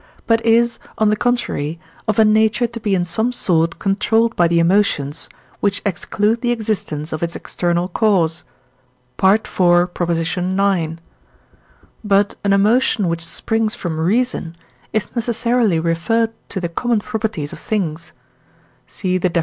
but is, on the contrary, of a nature to be in some sort controlled by the emotions, which exclude the existence of its external cause (IV. ix.). But an emotion which springs from reason is necessarily referred to the common properties of things (see the def.